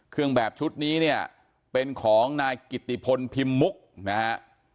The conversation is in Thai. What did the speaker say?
เครื่องแบบชุดนี้เนี่ยเป็นของนายกิติพลพิมมุกนะฮะ